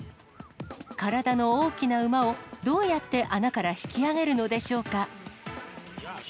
体の大きな馬をどうやって穴から引き上げるのでしょうか。